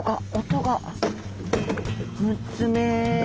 音が６つ目。